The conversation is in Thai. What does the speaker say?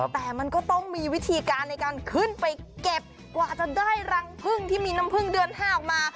แต่มันก็ต้องมีวิธีการในการขึ้นไปเก็บกว่าจะได้รังพึ่งที่มีน้ำพึ่งเดือน๕ออกมา